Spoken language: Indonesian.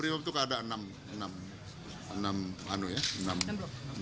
di mana kemudian ya bagaimana namanya trat lokasi di maelun